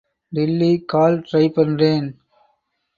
Delhi call try பண்றேன்.